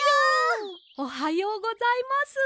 おはようございます。